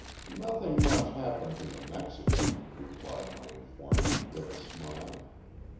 "Nothing much happened to the Mexican," replied my informant, with a smile.